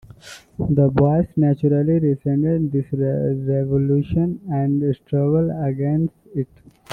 The boyars naturally resented this revolution and struggled against it.